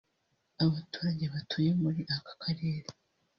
Abaturage batuye muri aka karere